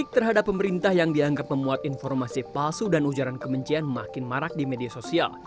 kritik terhadap pemerintah yang dianggap memuat informasi palsu dan ujaran kebencian makin marak di media sosial